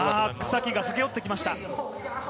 草木が駆け寄ってきました。